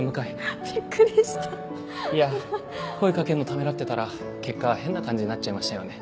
いや声かけるのためらってたら結果変な感じになっちゃいましたよね。